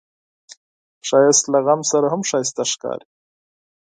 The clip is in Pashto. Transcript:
ښایست له غم سره هم ښايسته ښکاري